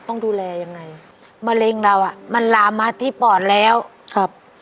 ต้องดูแลยังไงมะเร็งเราอ่ะมันลามมาที่ปอดแล้วครับ